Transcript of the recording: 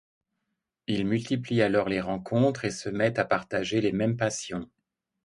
Ils multiplient alors les rencontres et se mettent à partager les mêmes passions.